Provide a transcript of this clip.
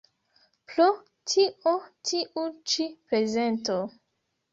Pro tio tiu ĉi prezento.